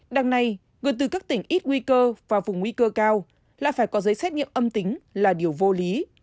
đằng này người từ các tỉnh ít nguy cơ và vùng nguy cơ cao lại phải có giấy xét nghiệm âm tính là điều vô lý